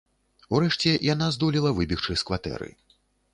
Урэшце яна здолела выбегчы з кватэры.